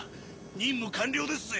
任務完了ですぜ。